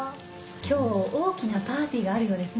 今日大きなパーティーがあるようですね？